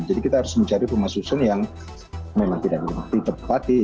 jadi kita harus mencari rumah susun yang memang tidak berhenti tempatnya